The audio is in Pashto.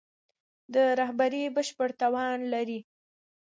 د رهبري بشپړ توان لري.